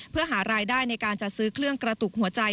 เพื่อหารายได้ในการจัดซื้อเครื่องกระตุกหัวใจ